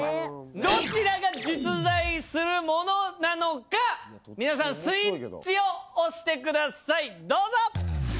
どちらが実在するものなのか皆さんスイッチを押してくださいどうぞ！